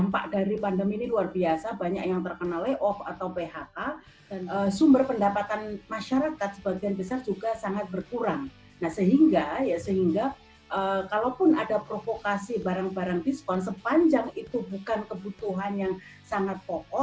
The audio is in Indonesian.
pembangunan dari program diskon ini akan mendapatkan keuntungan yang sangat besar